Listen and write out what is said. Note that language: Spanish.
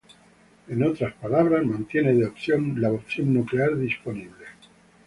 En otras palabras, mantiene de opción nuclear disponible.